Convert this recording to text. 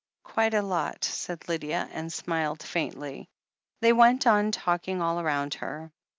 "Quite a lot," said Lydia, and smiled faintly. They went on talking all round her.